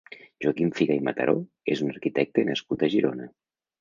Joaquim Figa i Mataró és un arquitecte nascut a Girona.